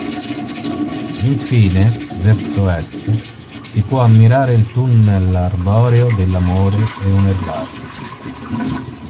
Infine, verso Est, si può ammirare il tunnel arboreo dell'amore e un erbario.